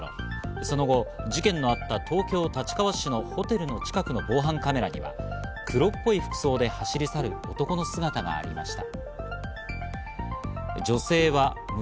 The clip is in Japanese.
その後、事件のあった東京・立川市のホテルの近くの防犯カメラには、黒っぽい服装で走り去る男の姿がありました。